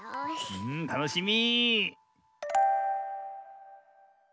うんたのしみ。